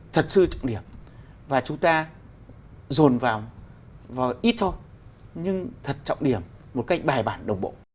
thật sự trọng điểm và chúng ta dồn vào ít thôi nhưng thật trọng điểm một cách bài bản đồng bộ